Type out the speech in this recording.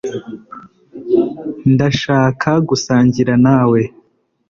ndashaka gusangira nawe